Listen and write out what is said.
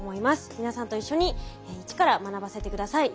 皆さんと一緒に一から学ばせて下さい。